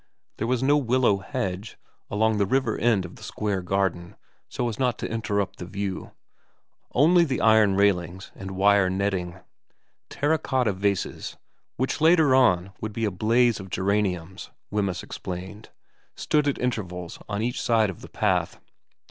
There was no willow hedge along the river end of the square garden, so as not to interrupt the view, only the iron railings and wire netting. Terra cotta vases, which later on would be a blaze of geraniums, Wemyss explained, stood at intervals on each side of the path.